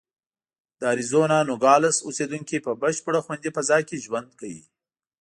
د اریزونا نوګالس اوسېدونکي په بشپړه خوندي فضا کې ژوند کوي.